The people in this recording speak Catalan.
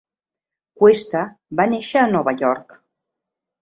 Cuesta va néixer a Nova York.